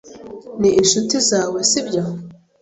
Ni inshuti zawe, sibyo?